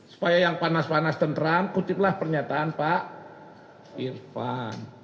supaya yang panas panas tentram kutiplah pernyataan pak irfan